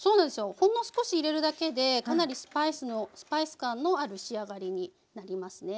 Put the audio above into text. ほんの少し入れるだけでかなりスパイス感のある仕上がりになりますね。